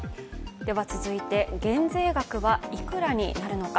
続いて減税額はいくらになるのか。